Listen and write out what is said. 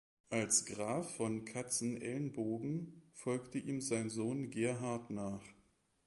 Als Graf von Katzenelnbogen folgte ihm sein Sohn Gerhard nach.